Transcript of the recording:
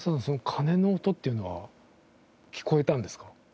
鐘の音っていうのは聴こえたんですか？